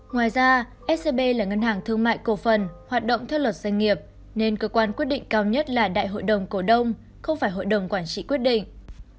ngoài ra scb là ngân hàng thương mại cổ phần hoạt động theo luật doanh nghiệp nên cơ quan quyết định cao nhất là đại hội đồng cổ đông không phải hội đồng quản trị quyết định